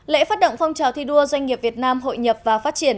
lễ phát động phong trào thi đua doanh nghiệp việt nam hội nhập và phát triển